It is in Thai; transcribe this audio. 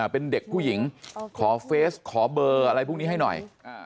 เป็นเด็กผู้หญิงขอเฟสขอเบอร์อะไรพวกนี้ให้หน่อย